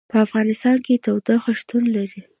په افغانستان کې تودوخه شتون لري.